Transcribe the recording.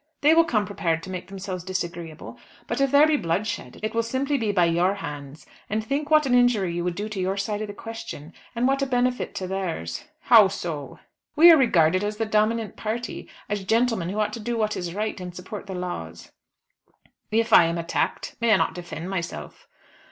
They will come prepared to make themselves disagreeable, but if there be bloodshed it will simply be by your hands. And think what an injury you would do to your side of the question, and what a benefit to theirs!" "How so?" "We are regarded as the dominant party, as gentlemen who ought to do what is right, and support the laws." "If I am attacked may I not defend myself?"